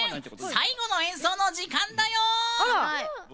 最後の演奏の時間だよ！